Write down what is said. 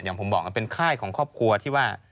ผมบอกเป็นค่ายของครอบครัวที่ว่า